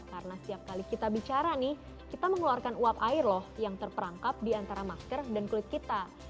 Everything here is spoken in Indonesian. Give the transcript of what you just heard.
karena setiap kali kita bicara kita mengeluarkan uap air yang terperangkap di antara masker dan kulit kita